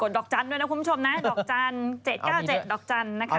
ดอกจันทร์ด้วยนะคุณผู้ชมนะดอกจันทร์๗๙๗ดอกจันทร์นะคะ